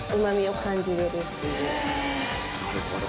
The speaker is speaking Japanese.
なるほど。